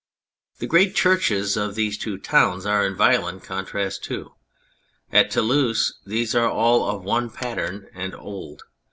The great churches of the two towns are in violent contrast too. At Toulouse these are all of one pattern and old.